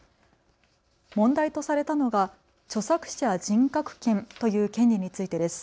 問題とされたのが著作者人格権という権利についてです。